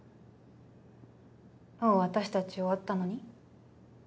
もう私たち終わったのに？